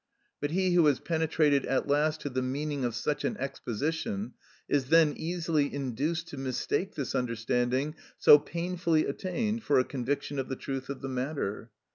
But he who has penetrated at last to the meaning of such an exposition is then easily induced to mistake this understanding so painfully attained for a conviction of the truth of the matter.